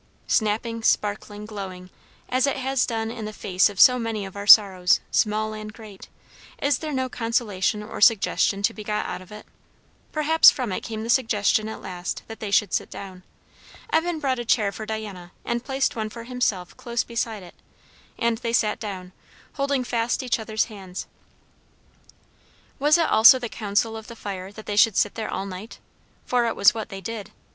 Snapping, sparkling, glowing, as it has done in the face of so many of our sorrows, small and great, is there no consolation or suggestion to be got out of it? Perhaps from it came the suggestion at last that they should sit down. Evan brought a chair for Diana and placed one for himself close beside it, and they sat down, holding fast each other's hands. Was it also the counsel of the fire that they should sit there all night? For it was what they did.